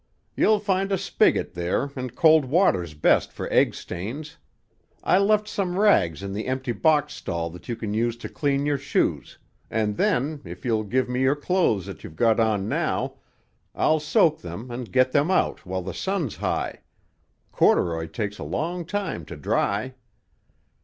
"You'll find a spigot there, and cold water's best for egg stains. I left some rags in the empty box stall that you can use to clean your shoes, and then, if you'll give me your clothes that you've got on now, I'll soak them and get them out while the sun's high; corduroy takes a long time to dry."